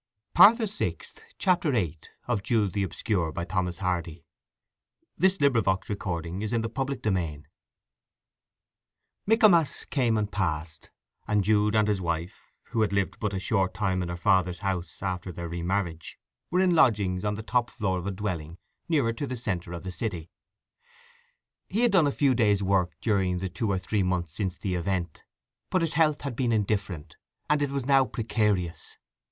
I've—married you. She said I ought to marry you again, and I have straightway. It is true religion! Ha—ha—ha!" VIII Michaelmas came and passed, and Jude and his wife, who had lived but a short time in her father's house after their remarriage, were in lodgings on the top floor of a dwelling nearer to the centre of the city. He had done a few days' work during the two or three months since the event, but his health had been indifferent, and it was now precarious.